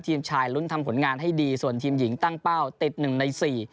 ทีมชายลุ้นทำผลงานให้ดีส่วนทีมหญิงตั้งเป้าติดหนึ่งในสี่